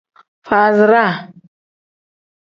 Faaziraa.